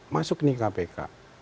masuk nih kpk